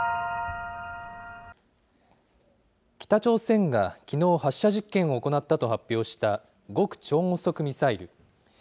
北朝鮮がきのう発射実験を行ったと発表した極超音速ミサイル。